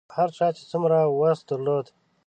هر چا چې څومره وس درلود.